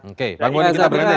oke bang boni kita bergantian